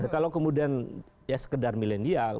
kalau kemudian sekedar milenial